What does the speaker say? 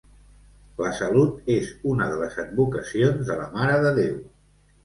La Salut és una de les advocacions de la Mare de Déu.